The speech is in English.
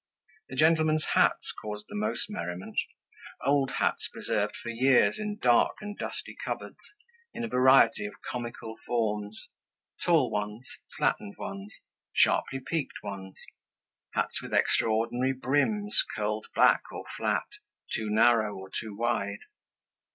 The gentlemen's hats caused the most merriment, old hats preserved for years in dark and dusty cupboards, in a variety of comical forms: tall ones, flattened ones, sharply peaked ones, hats with extraordinary brims, curled back or flat, too narrow or too wide.